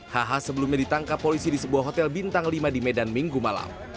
hh sebelumnya ditangkap polisi di sebuah hotel bintang lima di medan minggu malam